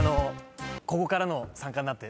ここからの参加になって。